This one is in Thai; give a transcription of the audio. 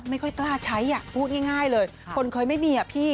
ไม่ค่อยกล้าใช้อ่ะพูดง่ายเลยคนเคยไม่มีอ่ะพี่